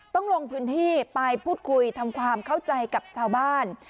ต้องลงพื้นที่ไปพูดคุยทำความเข้าใจกับชาวบ้าน